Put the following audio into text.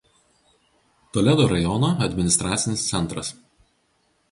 Toledo rajono administracinis centras.